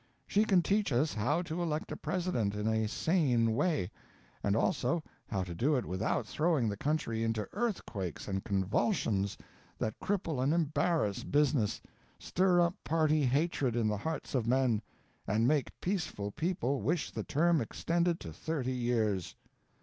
She can teach us how to elect a President in a sane way; and also how to do it without throwing the country into earthquakes and convulsions that cripple and embarrass business, stir up party hatred in the hearts of men, and make peaceful people wish the term extended to thirty years.